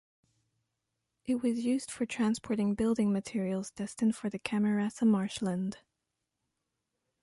It was used for transporting building materials destined for the Camarasa marshland.